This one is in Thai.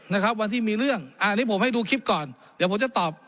นะครับวันที่มีเรื่องอันนี้ผมให้ดูคลิปก่อนเดี๋ยวผมจะตอบ